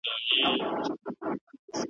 د څرمني بوی یې پزي ته په کار وو ,